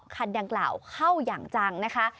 คันดังกล่าวเข้าอย่างจังนะคะ